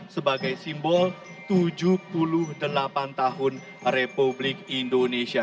sebagai simbol tujuh puluh delapan tahun republik indonesia